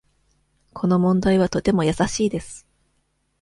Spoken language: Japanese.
この問題はとても易しいです。